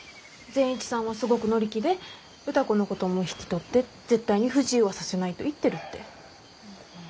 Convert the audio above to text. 善一さんはすごく乗り気で歌子のことも引き取って絶対に不自由はさせないと言ってるって。